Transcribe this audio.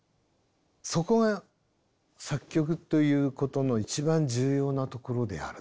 そこが作曲ということの一番重要なところであると。